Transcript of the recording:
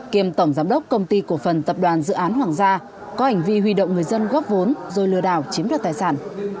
kiêm tổng giám đốc công ty cổ phần tập đoàn dự án hoàng gia có hành vi huy động người dân góp vốn rồi lừa đảo chiếm đoạt tài sản